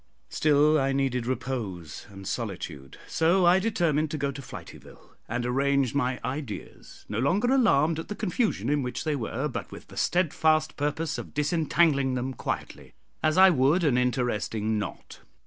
Still I needed repose and solitude, so I determined to go to Flityville and arrange my ideas, no longer alarmed at the confusion in which they were, but with the steadfast purpose of disentangling them quietly, as I would an interesting knot.